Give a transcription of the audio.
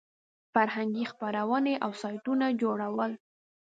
فرهنګي خپرونې او سایټونه جوړول.